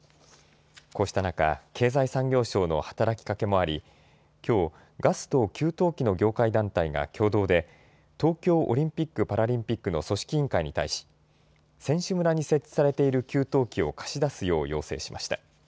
こうした中、経済産業省の働きかけもありきょうガスと給湯器の業界団体が共同で東京オリンピック・パラリンピックの組織委員会に対し選手村に設置されている給湯器を貸し出すよう要請しました。